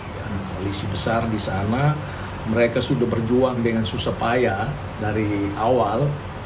koalisi besar di sana mereka sudah berjuang dengan susah payah dari awal